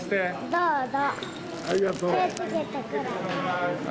どうぞ。